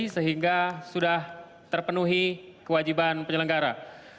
sehingga sudah terpenuhi kewajiban penyelenggara